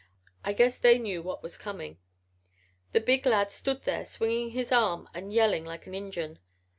I guess they knew what was coming. The big lad stood there swinging his arm and yelling like an Injun.